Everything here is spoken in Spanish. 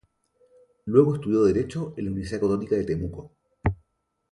Luego estudió derecho en la Universidad Católica de Temuco.